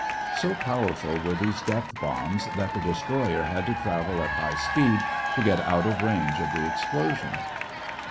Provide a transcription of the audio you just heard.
So powerful were these depth bombs that the destroyer had to travel at high speed to get out of range of the explosion.